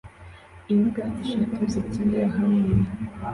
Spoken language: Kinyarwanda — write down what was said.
imbwa eshatu zikinira hamwe